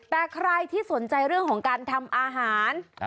แต่ใครที่สนใจเรื่องของการทำอาหาร